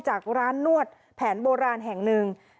จากร้านนวดแผนโบราณแห่งหนึ่ง